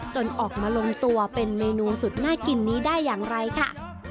ออกมาลงตัวเป็นเมนูสุดน่ากินนี้ได้อย่างไรค่ะ